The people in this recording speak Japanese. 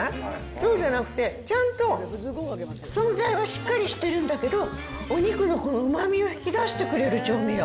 そうじゃなくて、ちゃんと存在はしっかりしてるんだけど、お肉のこのうまみを引き出してくれる調味料。